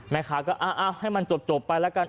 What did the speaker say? แม่ค้าก็ให้มันจบไปแล้วกัน